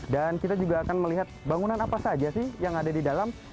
dan kita juga akan melihat bangunan apa saja sih yang ada di dalam